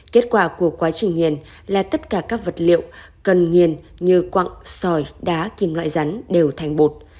kết quả của quá trình hiền là tất cả các vật liệu cần nghiền như quặng sòi đá kim loại rắn đều thành bột